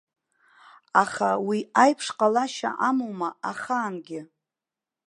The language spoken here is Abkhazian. Аха уи аиԥш ҟалашьа амоума ахаангьы?